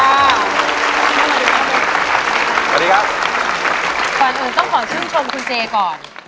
ก่อนอื่นต้องขอชื่นชมคุณเจก่อน